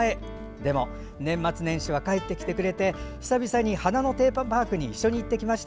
でも年末年始は帰ってきてくれて久々に花のテーマパークに一緒に行ってきました。